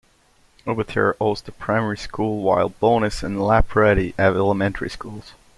Aubeterre hosts the primary school while Bonnes and Laprade have elementary schools.